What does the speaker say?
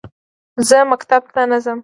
زه مکتب ته نه ځم